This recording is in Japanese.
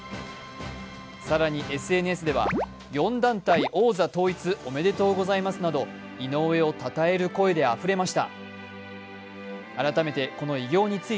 更に、ＳＮＳでは、４団体王座統一、おめでとうございますなど井上をたたえる声があふれました。